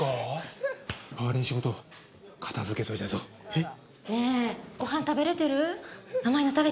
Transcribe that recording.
えっ？